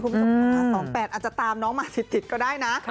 คุณผู้ชมหาสองแปดอาจจะตามน้องมาสิดติดก็ได้นะ